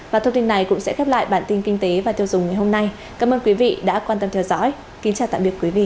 và thông tin này cũng sẽ khép lại bản tin kinh tế và tiêu dùng ngày hôm nay cảm ơn quý vị đã quan tâm theo dõi kính chào tạm biệt quý vị